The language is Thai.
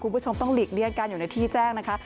คุณผู้ชมต้องหลีกเลี่ยงการอยู่ในที่แจ้งนะคะ